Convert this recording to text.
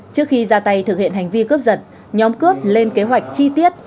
trước khi ra tay thực hiện hành vi cướp giật nhóm cướp lên kế hoạch chi tiết